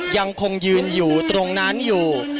ยังคงยืนอยู่ตรงนั้นอยู่